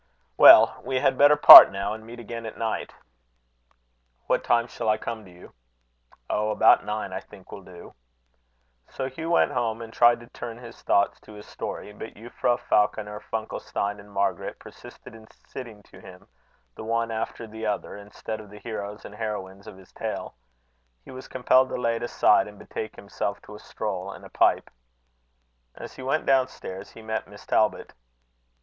"Well, we had better part now, and meet again at night." "What time shall I come to you?" "Oh! about nine I think will do." So Hugh went home, and tried to turn his thoughts to his story; but Euphra, Falconer, Funkelstein, and Margaret persisted in sitting to him, the one after the other, instead of the heroes and heroines of his tale. He was compelled to lay it aside, and betake himself to a stroll and a pipe. As he went down stairs, he met Miss Talbot.